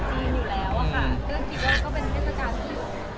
ก็คิดว่าก็เป็นเกษตรการที่สุด